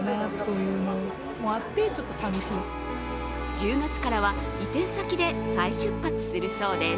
１０月からは移転先で再出発するそうです。